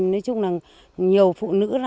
nhiều phụ nữ